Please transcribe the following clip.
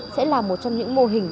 sẽ là một trong những mô hình